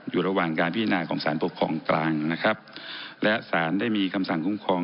อยู่ระหว่างการพิจารณาของสารปกครองกลางนะครับและสารได้มีคำสั่งคุ้มครอง